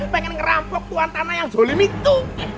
pengen ngerampok tuan tanah yang zolim itu